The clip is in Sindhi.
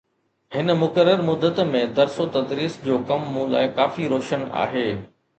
هن مقرر مدت ۾ درس و تدريس جو ڪم مون لاءِ ڪافي روشن آهي